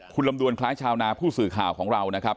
คุณลำดวนคล้ายชาวนาผู้สื่อข่าวของเรานะครับ